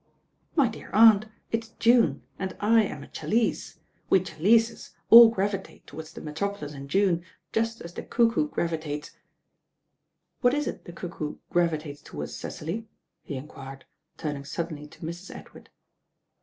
"My dear Aunt, it's June and I am a Challicc. We Challices all gravitate towards the metropolis in June just as the cuckoo gravitates What is it the cuckoo gravitates towards, Cecily?" he en quired, turning suddenly to Mrs. Edward.